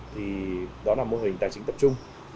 thì đó là mô hình tài chính tập trung